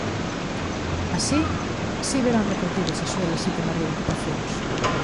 Así si verán recollidas as súas lexítimas reivindicacións.